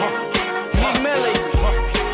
มีมิลลี่